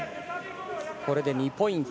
これで２ポイント。